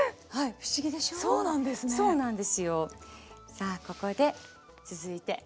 さあここで続いてディル。